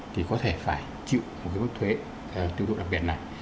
thì có thể phải chịu một cái mức thuế tiêu thụ đặc biệt này